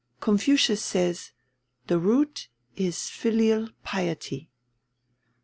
Confucius says, 'The root is filial piety.'"